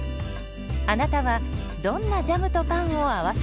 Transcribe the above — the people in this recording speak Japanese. あなたはどんなジャムとパンを合わせますか？